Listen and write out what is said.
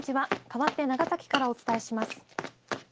かわって長崎からお伝えします。